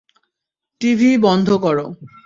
TV বন্ধ কর।